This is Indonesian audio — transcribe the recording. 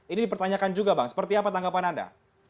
ini dipertanyakan juga bang seperti apa tanggapan anda